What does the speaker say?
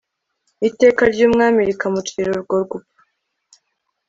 iteka ry'umwami rikamucira urwo gupfa